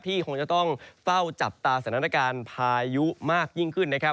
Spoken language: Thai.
คงจะต้องเฝ้าจับตาสถานการณ์พายุมากยิ่งขึ้น